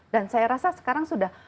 dan saya rasa sekarang sudah